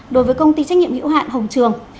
đối với công ty trách nhiệm hữu hạn hồng trường